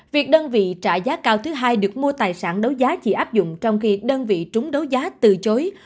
việc đơn vị trả giá cao thứ hai được mua tài sản đấu giá chỉ áp dụng trong khi đơn vị trúng đấu giá từ chối